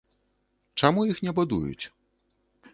Чаму іх не будуюць?